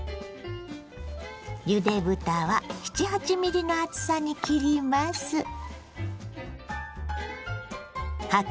ゆで豚は７８ｍｍの厚さに切ります。